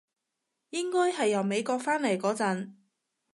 應該係由美國返嚟嗰陣